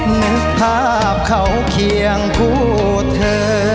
เหมือนภาพเขาเคียงผู้เธอ